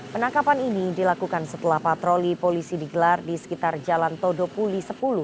penangkapan ini dilakukan setelah patroli polisi digelar di sekitar jalan todopuli sepuluh